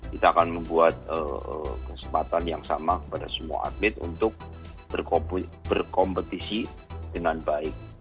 kita akan membuat kesempatan yang sama kepada semua atlet untuk berkompetisi dengan baik